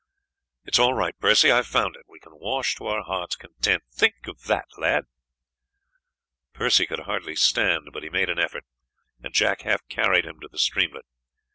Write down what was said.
"It is all right, Percy, I have found it. We can wash to our hearts' content; think of that, lad." Percy could hardly stand, but he made an effort, and Jack half carried him to the streamlet.